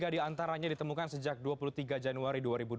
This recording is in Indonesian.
tiga diantaranya ditemukan sejak dua puluh tiga januari dua ribu dua puluh